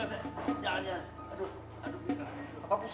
bakal ket impact